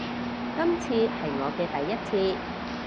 今次係我嘅第一次